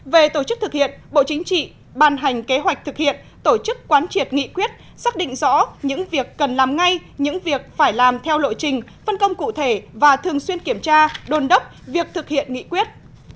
về tổ chức thực hiện bộ chính trị ban hành kế hoạch thực hiện tổ chức quán triệt nghị quyết xác định rõ những việc cần làm ngay những việc phải làm theo lộ trình phân công cụ thể và thường xuyên kiểm tra đôn đốc việc thực hiện nghị quyết